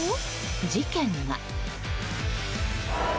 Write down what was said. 事件が。